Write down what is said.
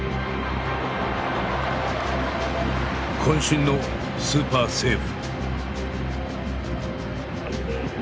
渾身のスーパーセーブ。